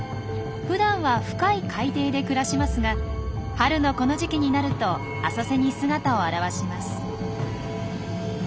ふだんは深い海底で暮らしますが春のこの時期になると浅瀬に姿を現します。